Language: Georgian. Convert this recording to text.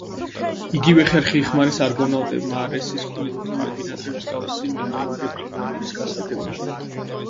იგივე ხერხი იხმარეს არგონავტებმა არესის კუნძულზე მობინადრე მსგავსი მეომარი ფრინველების გასადევნად.